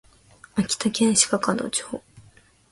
秋田県鹿角市